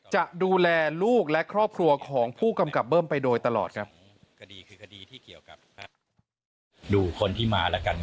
จะดูแลลูกและครอบครัวของผู้กำกับเบิ้มไปโดยตลอดครับ